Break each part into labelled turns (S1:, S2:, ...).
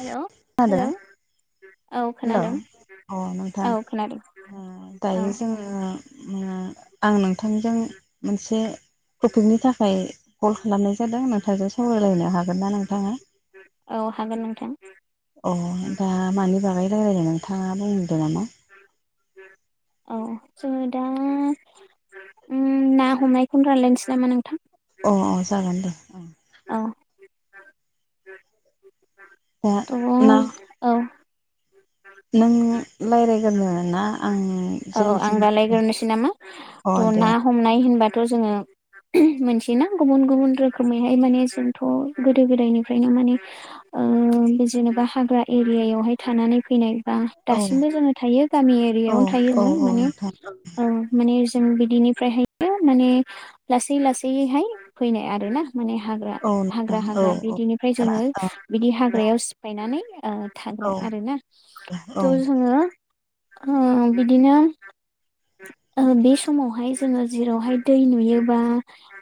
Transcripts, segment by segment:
S1: हेल'
S2: खोनादों
S1: हेल' औ
S2: हेलौ
S1: खोनादों
S2: अ नोंथां
S1: औ खोनादों
S2: ओ
S1: औ
S2: दायो जोङो आं नोंथांजों मोनसे टपिकनि थाखाय कल खालामनाय जादों नोंथांजों सावरायलायनो हागोन ना नोंथाङा
S1: औ हागोन नोंथां
S2: अ दा मानि बागै रायज्लायदों नोंथाङा बुंहदों नामा?
S1: औ जों दा ना हमनायखौनो रानलायनोसै नामा नोंथां
S2: अ जागोन दे
S1: औ
S2: दा
S1: दङ'
S2: ना
S1: औ
S2: नों रायज्लायग्रोरो ना आं
S1: औ आं
S2: जोंनिथिं
S1: दालायग्रोनोसै नामा
S2: अ
S1: थ'
S2: दे
S1: ना हमनाय होनबाथ' जोङो मोनसे ना गुबुन गुबुन रोखोमैहाय माने जोंथ' गोदो गोदायनिफ्रायनो माने उम जेनेबा हाग्रा एरियायावहाय थानानै फैनाय बा
S2: औ
S1: दासिमबो जोङो थायो गामि
S2: औ
S1: एरियायावनो थायो
S2: औ
S1: जों
S2: औ
S1: माने
S2: नोंथां
S1: माने जों बिदिनिफ्रायहाय माने लासै लासैैहाय फैनाय आरो ना माने हाग्रा
S2: औ नोंथां
S1: हाग्रा
S2: औ
S1: हाग्रा
S2: औ
S1: बिदिनिफ्राय
S2: औ
S1: जोङो बिदि हाग्रायाव सिफायनानै
S2: औ
S1: थाग्रा आरोना थ' जोंङो। अ बिदिनो बे समावहाय जोङो जेरावहाय दै नुयोबा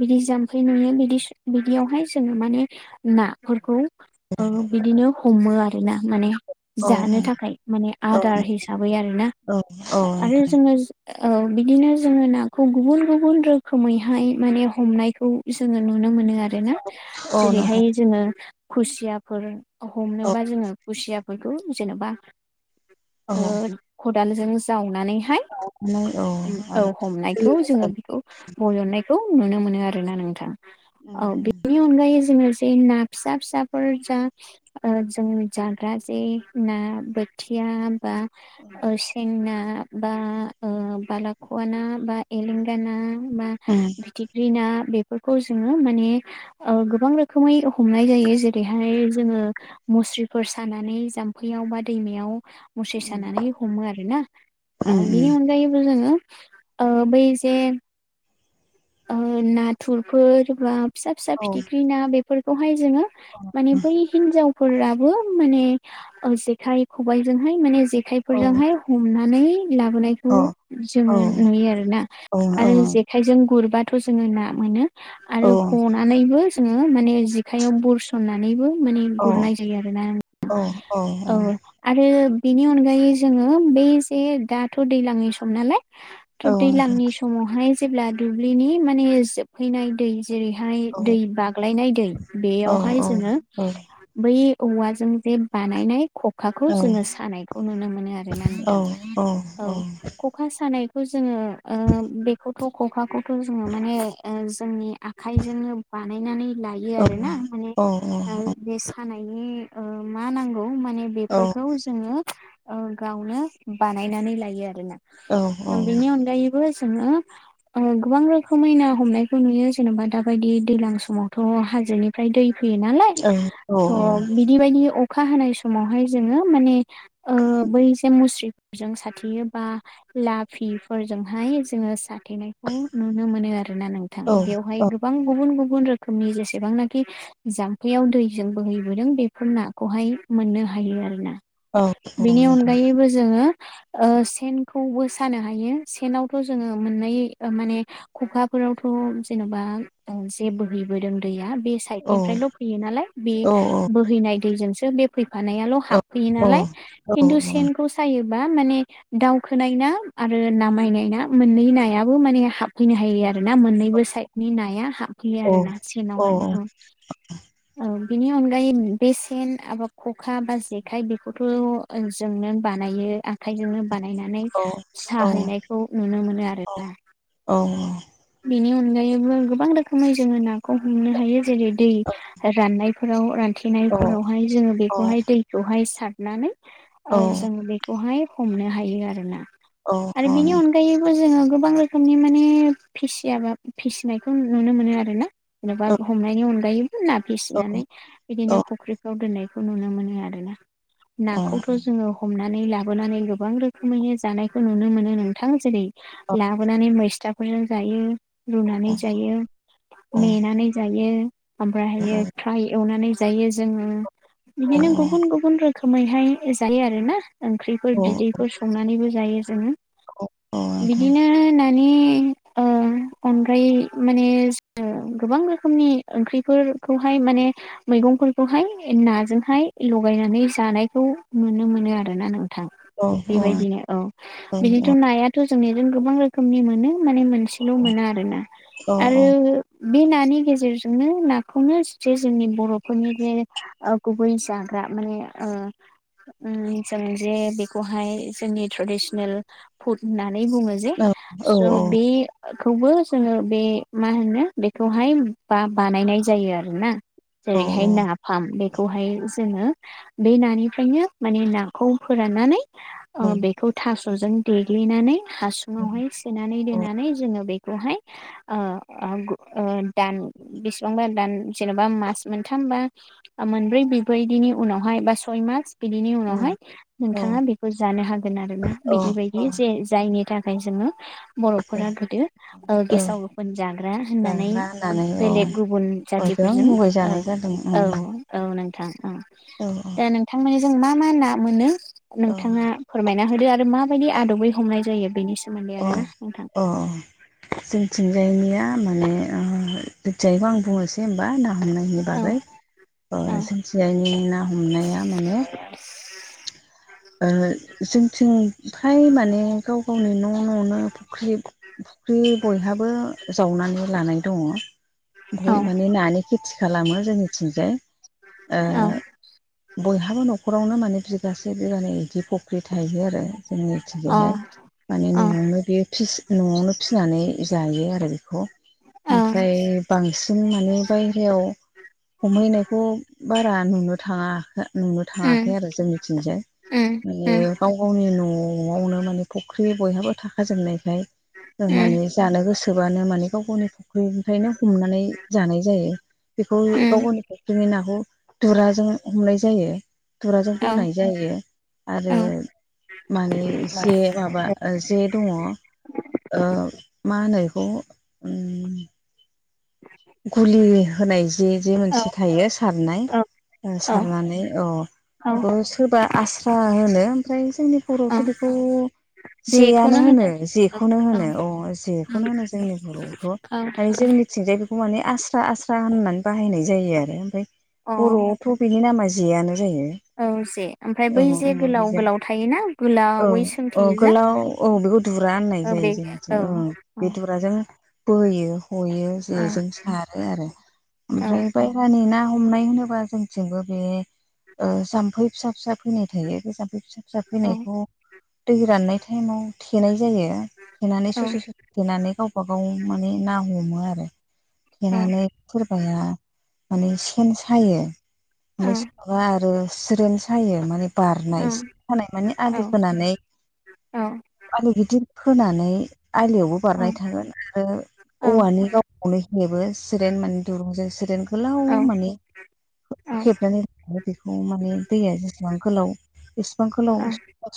S1: बिदि जाम्फै नुयो बिदि बिदियावहाय जोङो माने नाफोरखौ ओ बिदिनो हमो आरोना माने
S2: औ
S1: जानो थाखाय माने आदार
S2: औ
S1: हिसाबै आरोना
S2: औ औ
S1: आरो जोंङो। औ बिदिनो जोङो नाखौ गुबुन गुबुन रोखोमैहाय माने हमनायखौ जोङो नुनो मोनो आरो
S2: औ
S1: जेरैहाय
S2: नोंथां
S1: जोङो खुसियाफोर
S2: औ
S1: हमनोबा जोङो खुसिया फोरखौ जेनेबा
S2: औ
S1: ओ-खदालजों जावनानै हाय
S2: नानै औ
S1: औ
S2: आरो
S1: हमनायखौ जोङो बेखौ बजननायखौ नुनो मोनो आरोना नोंथां।
S2: उम
S1: औ बेनि अनगायै जोङो जे ना फिसा फिसाफोर जा ओ-जों जाग्रा जे ना बोथिया बा
S2: उम
S1: ओ-सें ना बा ओ-बालाख'व ना बा एलेंगाना बा फिथिख्रि ना बेफोरखौ जोङो माने गोबां रोखोमै हमनाय जायो जेरैहाय जोङो मुस्रिफोर सानानै जाम्फैयाव बा दैमायाव मुस्रि सानानै हमो आरो ना बिनि
S2: उम
S1: उनाव जायो जोङो ओ बै जे नाथुरफोर बा फिसा फिसा
S2: औ
S1: फिथिख्रि ना बेफोरखौहाय जोंङो
S2: औ
S1: माने बै हिनजावफोराबो माने जेखाइ खबाइजोंहाय माने जेखाय
S2: औ
S1: जेखाइफोरजोंहाय हमनानै लाबोनाय बे
S2: औ
S1: खौ
S2: औ
S1: जोङो नुयो आरोना
S2: औ
S1: आरो जेखाइजों गुरबाथ' जोङो ना मोनो आरो हनानैबो जोङो माने जेखायाव बुरसननानैबो माने गुरनाय जायो आरोना
S2: औ नोंथां
S1: औ आरो बिनि अनगायै जोङो बै जे दाथ' दैज्लांनि सम नालाय।
S2: औ
S1: थ' दैज्लांनि समावहाय जेब्ला दुब्लिनि माने जोबहैनाय दै जेरैहाय दै बाग्लायनाय दै बेयावहाय जोङो बै औवाजों जे बानायनाय खखाखौ जोङो सानायखौ नुनो मोनो आरोना नोंथां औ ख'खा सानायखौ जोङो ओ- बेखौथ' ख'खाखौथ' जोङो माने ओ- जोंनि आखाइजोंनो बानायनानै लायो आरोना माने बे हानायनि ओ- मा नांगौ माने बेफोरखौ जोङो ओ-गावनो बानायनानै लायो आरोना। जों बेनि अनगायैबो जोङो ओ गोबां रोखोमै ना हमनायखौ नुयो जेनेबा दाबायदि दैलां समावथ' हाजोनिफ्राय दै फैयो नालाय थ' बिबायदि अखा हानाय समावहाय जोङो माने ओ- बै जे मुस्रि जों साथेयो बा लाफिफोरजोंहाय जोङो साथेनाय खौ नुनो मोनो आरोना नोंथां बेवहाय गोबां गुबुन-गुबुन रोखोमनि जेसेबांनाखि जाम्फैयाव दैजों बोहैबोदों बेफोर नाखौहाय मोननो हायो आरोना। बेनि अनगायैबो जोङो ओ-सेनखौबो सानो हायो सेनावथ' जोङो मोननायै ओ-माने खुखाफोरावथ' जेन'बा जे बोहैबोदों दैया बे फाइफ निफ्रायल' फैयो नालाय बे बोहैनाय दैजोंसो बे फैफानायाल' हाबफैयो नालाय खिन्थु सेन सायोबा माने दावखोनाय ना आरो नामायनाय ना मोनै नाया माने हाबफैनो हायो आरो ना मोननैबो साइडनि नाया हाब फैयो आरोना सेनावहाय औ औ। बिनि अनगायै बे सेन एबा ख'खा बा जेखाइ बेखौथ' जोंनो बानायो आं आखाइजोंनो बानायनानै
S2: औ औ
S1: साहैनायखौ नुनो मोनो आरो।
S2: औ औऔ।
S1: बेनि अनगायैबो गोबां रोखोमै जोङो नाखौ हमनो हायो जेरै दै राननाय। फोराव
S2: औ
S1: रानथेनायफोरावहाय जोङो
S2: औ
S1: बेखौहाय दैखौहाय सारनानै ओ-जोङो बे बेखौहाय हमनो हायो आरोना आरो बेनि अन गायैबो जोङो गोबां रोखोमनि माने फिसियाबा फिसिनायखौ नुनो मोनो आरो ना जेन'बा हमनायनि अनगायैबो ना फिसिनानै बिदिनो फुख्रिफ्राव दोननायखौ नुनो मोनो आरोना
S2: औ
S1: नाखौथ' जोङो हमनानै लाबोनानै गोबां रोखोमैनो जानायखौ नुनो मोनो नोंथां जेरै लाबोनानै मैसथा फोरजों जायो। रुनानै जायो
S2: औ
S1: मेनानै जायो ओमफ्रायहायो फ्राय एवनानै जायो जोंङो
S2: औ
S1: बिदिनो गुबुन-गुबुन रोखोमैहाय जायो आरोना ओंख्रिफोर
S2: औ
S1: बिदैफोर संनानैबो जायो जोंङो बिदिनो नानि ओ अनद्राय माने गोबां रोखोमनि ओंख्रिफोरखौहाय माने मैगंफोरखौहाय नाजोंहाय लगायनानै जानायखौ नुनो मोनो आरोना नों थां
S2: नोंथां औ
S1: बेबायदिनो औ बिदिथ' नायाथ' जोंनिजों गोबां रोखोमनि मोनो माने मोनसेल' मोना आरो ना
S2: औ
S1: आरो बे नानि गेजेरजोंनो नाखौनो जे जोंनि बर'फोरनि जे गुबै जाग्रा माने ओ- उम जों जे बेखौहाय जोंनि ट्रेडिसनेल फुड होननानै बुङो। जे बे खौबो जोंङो बे मा होनो बेखौहाय बा बानायनाय जायो आरोना। जेरैहाय ना फार्म बेखौहाय जोंङो बे नानिफ्रायनो माने नाखौ फोराननानै अ बेखौ थास'जों देग्लिनानै हासुङावहाय सोनानै दोनानै जोंङो औ बेखौहाय ओ [unintelligible] दान बेसेबांबा दान जेनेबा मास मोनथामबा मोनब्रै बिबायदिनि उनावहाय बा सय मास। बिदिनि उनावहाय
S2: औ
S1: नोंथाङा बेखौ जानो हागोन आरोना
S2: औ
S1: बिदि
S2: औ
S1: बायदि जे जायनि था खायजोंनो [unintelligible] बर'फोरा गोदो ओ गेसाव गोफोन जाग्रा होननानै
S2: जाग्रा होननानै
S1: बेलेग गुबुन
S2: औ जों
S1: जाथिफोरजों ओ
S2: मुगैजानाय जादों
S1: औ
S2: ओं
S1: औ नोंथां औ।
S2: औ औ।
S1: दा नोंथांमोननि जों मा मा ना मोनो
S2: औ
S1: नोंथाङा फोरमायना होदो आरो माबायदि आदबै हमनाय जायो बेनि सोमोन
S2: अ अ जोंथिंजायनिया माने ओ जोंथिंजायनि आं बुंनोसै होबा ना हमनायनि
S1: औ
S2: बागै ओ
S1: औ
S2: जोंनिथिंजायनि ना हमनाया माने ओ जोंथिं फ्राय माने गाव गावनि न' न'नो फुख्रि फुख्रि बयहाबो जावनानै लानाय दङ।
S1: औ
S2: बहय माने नानि खेथि खालामो जोंनिथिंजाय। ओ
S1: औ।
S2: बयहाबो न'खरावनो माने बिगासे बिगानै बिदि फख्रि थायो आरो
S1: औ
S2: जोंनिथिंजायहाय। माने
S1: अ
S2: न'आवनो बेयो फिस न'आवनो फिनानै जायो आरो बेखौ।
S1: अ औ
S2: ओमफ्राय बांसिन माने बाहेरायाव। हमहैनायखौ बारा नुनो थाङा नुनो
S1: उम
S2: थाङाखै आरो जोंनिथिंजाय।
S1: उम
S2: माने
S1: उम
S2: गाव गावनि न'आवनो माने फुख्रि बयहाबो था खाजोबनायखाय
S1: उम
S2: माने जानो गोसोबानो माने गाव गावनि फख्रिनिफ्रायनो हमनानै जानाय जायो। बेखौ गाव
S1: उम
S2: गावनि फख्रिनि नाखौ दुराजों हमनाय जायो दुराजों
S1: औ
S2: बोनाय जायो आरो
S1: औ
S2: माने जे माबा जे दंङ। ओ मा होनो बेखौ उम गुलि होनाय जे जे
S1: औ
S2: मोनसे थायो सारनाय
S1: औ औ
S2: सारनानै अ
S1: औ
S2: बेखौ सोरबा आस्रा होनो ओमफ्राय जोंनि
S1: औ
S2: बर'आथ' बेखौ
S1: जेखौनो
S2: जेयानो होनो
S1: औ
S2: जेखौनो
S1: औ
S2: होनो अ' जेखौनो होनो जोंनि बर'आवथ'
S1: औ
S2: ओमफाय जोंनिथिंजाय खौ माने आस्रा आस्रा होननानै बाहायनाय जायो आरो। ओमफाय
S1: अ
S2: बर'आवथ' बिनि नामा जेयानो जायो।
S1: औ जे ओमफ्राय
S2: औ
S1: बै जे
S2: औ
S1: गोलाव
S2: बेजों
S1: गोलाव थायोना
S2: औ
S1: गोलावै
S2: औ
S1: सोंथेयो जा
S2: गोलाव औ बेखौ दुरा होननाय
S1: ओ बे
S2: जायो जोंथिंजाय औ दुराजों बोयो हयो।
S1: औ
S2: जेजों सारो आरो।
S1: औ
S2: ओमफ्राय बाहेरानि ना हमनाय होनोब्ला जोंथिंबो बे ओ जामफै फिसा फिसा फैनाय थायो बे जामफै फिसा फिसा
S1: औ
S2: फैनायखौ दै राननाय टाइमाव थेनाय जायो थेनानै ससे
S1: औ
S2: ससे थेनानै गावबा गाव माने ना हमो आरो। थेनानै सोरबाया माने सेन सायो। ओमफाय
S1: औ
S2: सोरबा आरो सिरोन सायो माने बारनाय सानाय माने
S1: औ
S2: आलि खोनानै।
S1: औ।
S2: आलि गिदिर खोनानै आलियावबो
S1: औ
S2: बारनाय थागोन। आरो
S1: औ
S2: औवानि गाव अनो हेबो सिरेन माने दुरुंजों सिरेन गोलाव
S1: औ
S2: माने
S1: औ
S2: ओ हेबनानै लायो। बेखौ माने दैया जेसेबां गोलाव इसिबांखौल'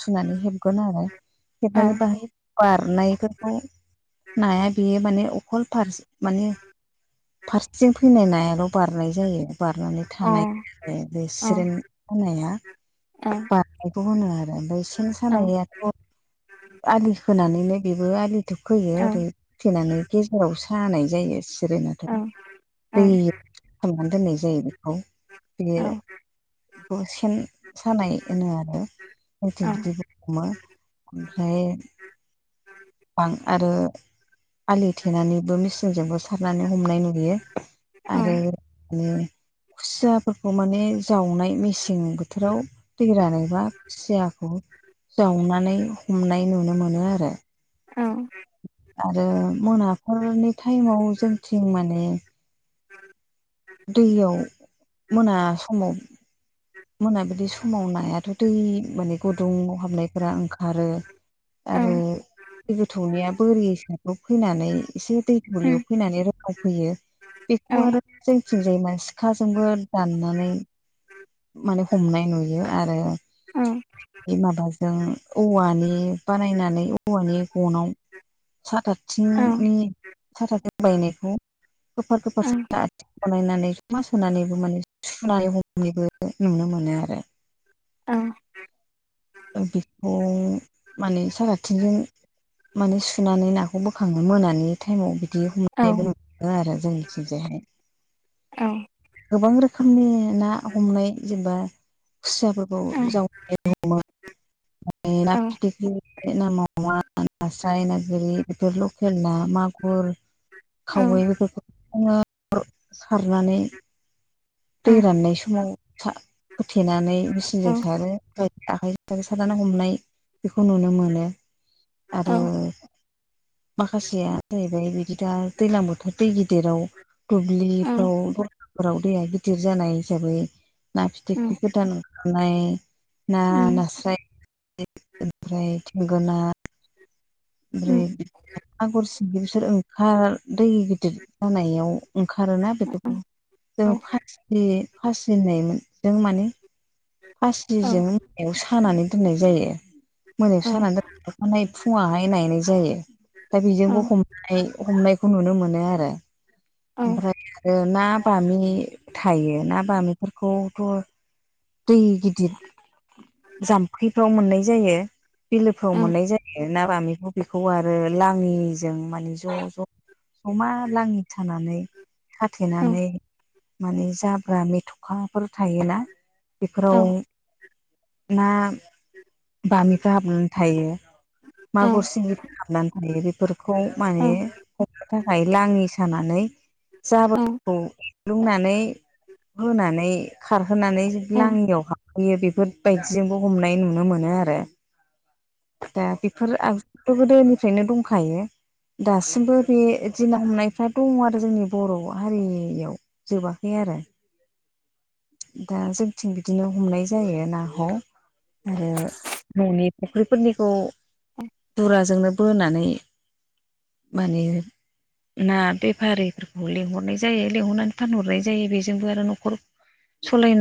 S2: सुनानै हेबगोन आरो।
S1: औ
S2: हेबनानै बाहायो। बारनायफोरखौ नाया बेयो माने अखल फारस माने फारसेथिं फैनाय नायाल' बारनाय जायो। बारनानै
S1: औ
S2: थानाय [unintelligible] बे सिरेन सानाया बारनायखौ होनो आरो। ओमफाय सेन सानायाथ' आलि खोनानैनो बेबो आलिथ' खोयो ओरै फथेनानै गेजेराव सानाय जायो। सिरेनाथ' दै खालामनानै दोननाय जायो बेखौ बियो बेखौ सेन सानाय होनो आरो, जोंथिं बिदिबो हमो। ओमफ्राय बां आरो आलि थेनानैबो मेचिनजोंबो सारनानै हमनाय नुयो। आरो माने खुसियाफोरखौ माने जावनाय मेसें बोथोराव दैरानोबा खुसियाखौ जावनानै हमनाय नुनो मोनो आरो।
S1: औ
S2: आरो मोनाफोरनि टाइमाव जोंथिं माने दैयाव मोना समाव मोनाबिलि समाव नायाथ' दै माने गुदुं हाबनायफोरा ओंखारो। आरो दै गोथौनिया बोरि हिसाबखौ फैनानै एसे दै थौलियाव फैनानै रोंनाव फैयो। बेखौ आरो जोंथिं जाय माने सिखाजोंबो दाननानै माने हमनाय नुयो आरो। बे माबाजों औवानि बानायनानै औवानि गनाव साथाथिंनि साथाथिं बायनायखौ गोफार गोफार साथाआथिं बानायनानै ज'मा सुनानैबो माने सुनानै हमनानैबो ओ नुनो मोनो आरो। ओ बेखौ माने साथाथिंजों माने सुनानै नाखौ बोखाङो मोनानि टायमाव बिदि हमनायबो नुयो। ओ आरो जोंनिथिं जायहाय।
S1: [inaudible]
S2: गोबां रोखोमनि ना हमनाय जेनबा खुसियाफोरखौ जाव [unintelligible] हमो। [unintelligible] ना फिथिख्रि, ना मावा, नास्राय ना गोरि बेफोर लकेल ना माग मुर खावै बेफोरखौङो सारनानै दै राननाय समाव सा फोथेनानै मेसिनजों सारो आखाय जों सारनानै हमनाय बेखौ नुनो मोनो आरो माखासेया जाहैबाय बिदि दा दैज्लां बोथोर दै गिदिराव दुब्लिफ्राव दहलाफोराव दैया गिदिर जानाय हिसाबै ना फिथिख्रि गोदान ओं थानाय ना नास्राय ओमफ्राय थेंगोना [unintelligible] आफ्राय मग [unintelligible] बिसोर ओंखार दै गिदिर जानायाव ओंखारोना बेफोरखौ जों फासि फासि होननायमोन जों माने फासिजों मोनायाव सानानै दोननाय जायो। मोनायावसो सानानै दोन आखानायै फुङाहाय ए नायनाय जायो। दा बेजोंबो हमनाय हमनायखौ नुनो मोनो आरो। ओमफ्राय आरो ना बामि थायो। ना बामिफोरखौथ' दै गिदिर जाम्फैफ्राव मोननाय जायो। बिलोफोराव मोननाय जायो। ना बामिखौ बेखौ आरो लाङिजों माने ज' ज' अमा लाङि थानानै खााथेनानै माने जाब्रा मेथ'खाफोर थायोना बेफोराव ना बामिफ्रा हाबनानै थायो। मागुर सिंगिफोर हाबनानै थायो बेफोरखौ माने थाखाय लाङि सानानै जाबोरखौ लुंनानै होनानै खारहोनानै लाङियाव हाबहैयो बेफोरबायदिजोंबो हमनाय नुनो मोनो आरो। दा बेफोर आगजुथ' गोदोनिफ्रायनो दंखायो। दासिमबो बे दिना हमनायफ्रा दङ आरो जोंनि बर' हारिनियाव। जोबाखै आरो। दा जोंथिं बिदिनो हमनाय जायो नाखौ। आरो ननि फख्रि [unintelligible] फोरनिखौ
S1: औ
S2: बुराजोंनो बोनानै माने ना बेफारिफोरखौ लेंहरनाय जायो लेंहरनानै फानहरनाय जायो बेजोंबो आरो न'खर सलायनाय